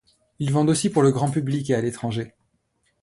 Ils vendent aussi pour le grand public, et à l'étranger.